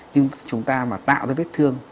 nhưng chúng ta mà tạo ra vết thương